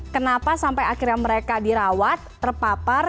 kenapa sampai akhirnya mereka dirawat terpapar